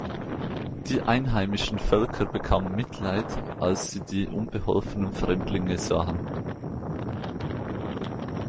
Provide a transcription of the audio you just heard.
Die einheimischen Völker bekamen Mitleid, als sie die unbeholfenen Fremdlinge sahen.